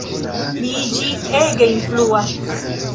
Li iĝis ege influa.